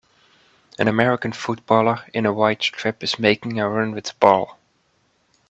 an American footballer in a white strip is making a run with the ball.